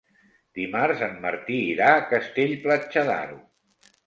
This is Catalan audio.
Dimarts en Martí irà a Castell-Platja d'Aro.